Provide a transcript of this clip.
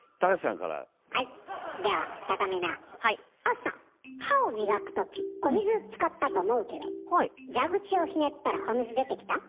朝歯を磨く時お水使ったと思うけど蛇口をひねったらお水出てきた？